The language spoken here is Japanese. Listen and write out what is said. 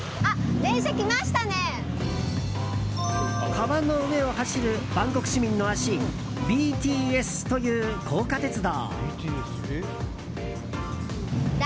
川の上を走るバンコク市民の足ＢＴＳという高架鉄道。